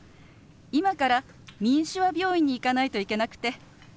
今からみんしゅわ病院に行かないといけなくて。